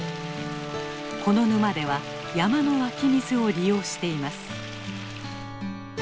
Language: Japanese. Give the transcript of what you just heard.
この沼では山の湧き水を利用しています。